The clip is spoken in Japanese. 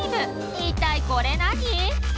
一体これ何？